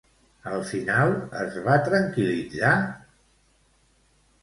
Al final es va tranquil·litzar?